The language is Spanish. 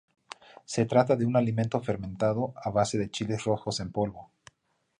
Se trata de un alimento fermentado a base de chiles rojos en polvo.